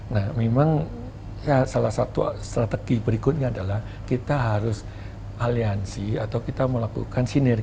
nah memang salah satu strategi berikutnya adalah kita harus aliansi atau kita melakukan sinergi